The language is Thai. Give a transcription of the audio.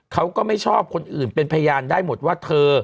เขาก็ไม่ชอบคนอื่นเป็นพยานได้หมดว่าเธอ